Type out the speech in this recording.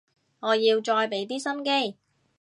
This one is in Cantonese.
我要再畀啲心機